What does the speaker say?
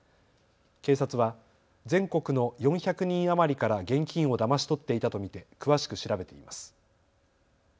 警察は全国の４００人余りから現金をだまし取っていたと見て詳しく調べています。